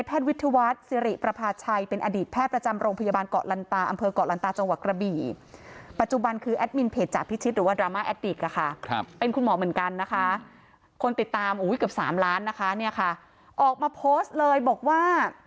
เป็นคุณหมอเหมือนกันนะคะคนติดตามกับ๓ล้านนะคะออกมาโพสต์เลยบอกว่า